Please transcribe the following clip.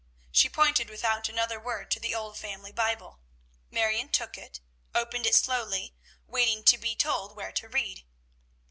She pointed without another word to the old family Bible. Marion took it, opened it slowly, waiting to be told where to read.